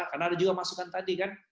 karena ada juga masukan tadi kan